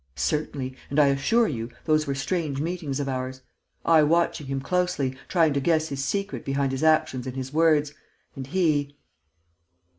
"Certainly. And, I assure you, those were strange meetings of ours: I watching him closely, trying to guess his secret behind his actions and his words, and he